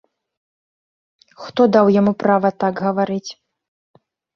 Хто даў яму права так гаварыць?